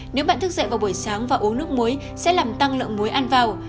nếu bạn thức dậy vào buổi sáng và uống nước muối sẽ làm tăng lượng muối ăn vào